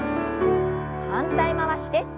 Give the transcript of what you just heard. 反対回しです。